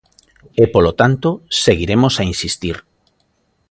E, polo tanto, seguiremos a insistir.